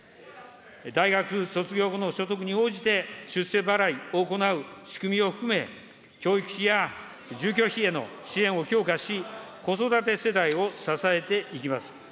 大学卒業後の所得に応じて、出世払いを行う仕組みを含め、教育費や住居費への支援を強化し、子育て世代を支えていきます。